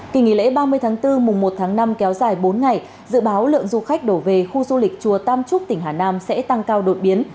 kỳ nghỉ lễ ba mươi tháng bốn mùng một tháng năm kéo dài bốn ngày dự báo lượng du khách đổ về khu du lịch chùa tam trúc tỉnh hà nam sẽ tăng cao đột biến